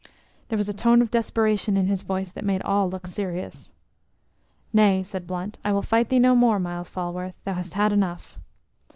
There was a tone of desperation in his voice that made all look serious. "Nay," said Blunt; "I will fight thee no more, Myles Falworth; thou hast had enough."